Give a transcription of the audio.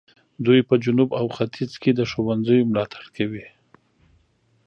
دوی په جنوب او ختیځ کې د ښوونځیو ملاتړ کوي.